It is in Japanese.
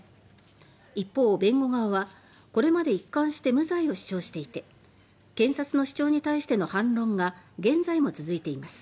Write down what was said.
一方、弁護側はこれまで一環して無罪を主張していて検察側に対して反論が現在も続いています。